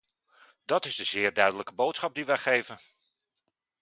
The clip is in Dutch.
Dat is de zeer duidelijke boodschap die wij geven.